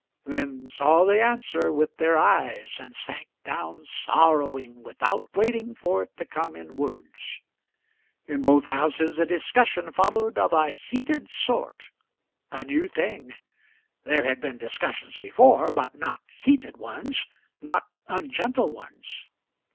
then saw the answer with their eyes and sank down sorrowing, without waiting for it to come in words. In both houses a discussion followed of a heated sort a new thing; there had been discussions before, but not heated ones, not ungentle ones.